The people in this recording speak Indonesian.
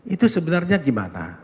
itu sebenarnya gimana